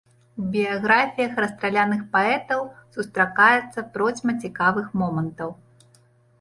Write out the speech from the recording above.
У біяграфіях расстраляных паэтаў сустракаецца процьма цікавых момантаў.